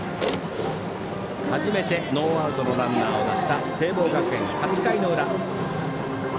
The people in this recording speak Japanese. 初めてノーアウトのランナーを出した聖望学園、８回の裏。